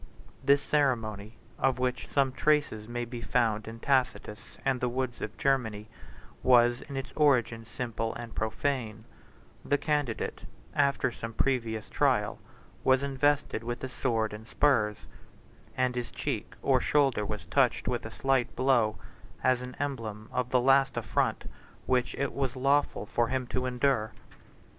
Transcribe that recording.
This ceremony, of which some traces may be found in Tacitus and the woods of Germany, 56 was in its origin simple and profane; the candidate, after some previous trial, was invested with the sword and spurs; and his cheek or shoulder was touched with a slight blow, as an emblem of the last affront which it was lawful for him to endure.